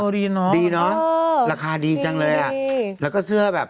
ดีเนอะดีเนอะราคาดีจังเลยอ่ะแล้วก็เสื้อแบบ